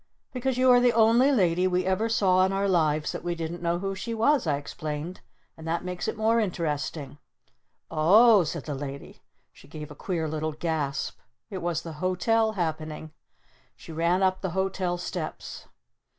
"Because you are the only Lady we ever saw in our lives that we didn't know who she was!" I explained. "And that makes it more interesting!" "O h," said the Lady. She gave a queer little gasp. It was the Hotel happening! She ran up the hotel steps.